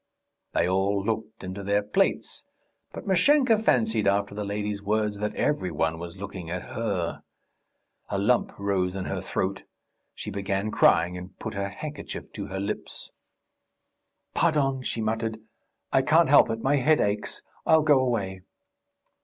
They all looked into their plates, but Mashenka fancied after the lady's words that every one was looking at her. A lump rose in her throat; she began crying and put her handkerchief to her lips. "Pardon," she muttered. "I can't help it. My head aches. I'll go away."